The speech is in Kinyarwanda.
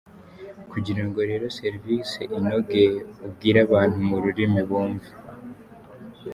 Kugira ngo rero serivisi inoge, ubwire abantu mu rurimi bumva.